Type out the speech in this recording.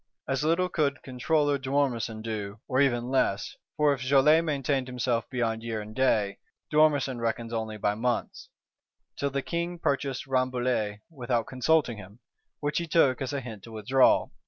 As little could Controller d'Ormesson do, or even less; for if Joly maintained himself beyond year and day, d'Ormesson reckons only by months: till "the King purchased Rambouillet without consulting him," which he took as a hint to withdraw.